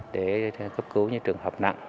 để cấp cứu những trường hợp nặng